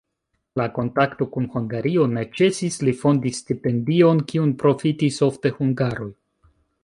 La kontakto kun Hungario ne ĉesis, li fondis stipendion, kiun profitis ofte hungaroj.